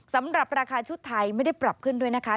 สำหรับราคาชุดไทยไม่ได้ปรับขึ้นด้วยนะคะ